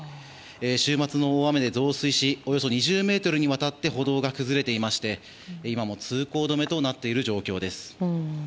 週末の大雨で増水しおよそ２０ｍにわたって歩道が崩れていまして、今も通行止めとなっている状況です。